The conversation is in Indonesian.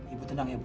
ibu tenang ya bu